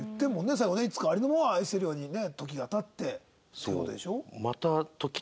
最後ね「いつかありのままに愛せるように」ね時が経ってっていう事でしょ？